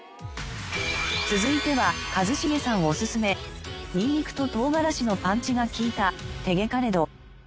続いては一茂さんオススメニンニクと唐辛子のパンチが利いた“てげ”辛ど！。